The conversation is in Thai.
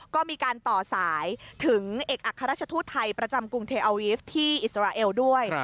ก็มีการต่อสายถึงเอกอัครราชทูตไทยประจำกรุงเทอาวีฟที่อิสราเอลด้วย